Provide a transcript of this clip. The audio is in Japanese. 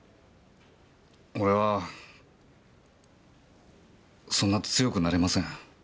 俺はそんな強くなれません。